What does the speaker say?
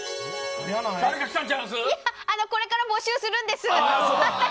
これから募集するんです。